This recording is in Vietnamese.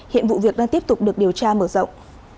hiện vụ việc đang tiếp tục được điều tra mở rộng